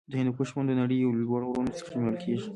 د هندوکش غرونه د نړۍ یو له لوړو غرونو څخه شمېرل کیږی.